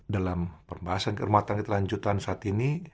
dalam perbahasan kekermatan kita lanjutan saat ini